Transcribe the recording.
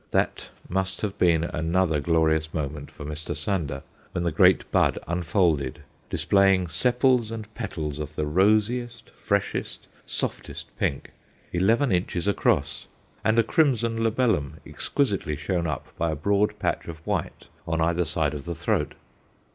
That must have been another glorious moment for Mr. Sander, when the great bud unfolded, displaying sepals and petals of the rosiest, freshest, softest pink, eleven inches across; and a crimson labellum exquisitely shown up by a broad patch of white on either side of the throat.